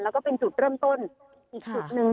แล้วก็เป็นจุดเริ่มต้นอีกจุดหนึ่ง